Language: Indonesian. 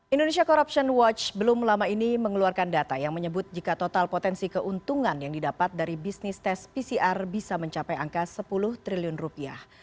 indonesia corruption watch belum lama ini mengeluarkan data yang menyebut jika total potensi keuntungan yang didapat dari bisnis tes pcr bisa mencapai angka sepuluh triliun rupiah